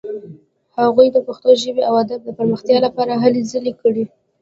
هغوی د پښتو ژبې او ادب د پرمختیا لپاره هلې ځلې کړې.